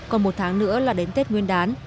còn một tháng nữa là đến tết nguyên đán